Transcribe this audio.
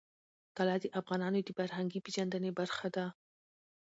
طلا د افغانانو د فرهنګي پیژندنې برخه ده.